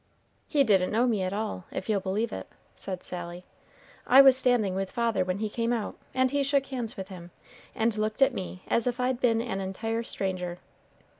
"He didn't know me at all, if you'll believe it," said Sally. "I was standing with father when he came out, and he shook hands with him, and looked at me as if I'd been an entire stranger."